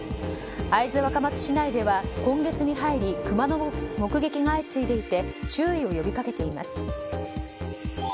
会津若松市内では今月に入りクマの目撃が相次いでいて注意を呼び掛けています。